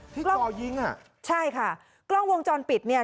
จ่อยิงอ่ะใช่ค่ะกล้องวงจรปิดเนี่ย